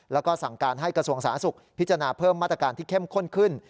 แล้วก็สั่งการให้กระทรวงสาธารณสุขพิจารณาเพิ่มมาตรการที่เข้มข้นขึ้น